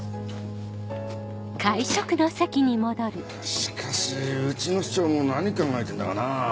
しかしうちの市長も何考えてんだかなぁ。